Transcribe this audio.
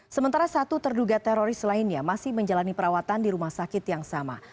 sementara satu terduga teroris lainnya masih menjalani perawatan di rumah sakit yang sama